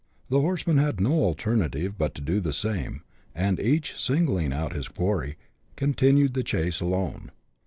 The horsemen had no alternative but to do the same, and each singling out his quarry, continued the chase alone.